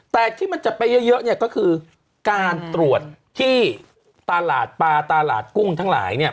แต่ที่มันจะไปเยอะเนี่ยก็คือการตรวจที่ตลาดปลาตลาดกุ้งทั้งหลายเนี่ย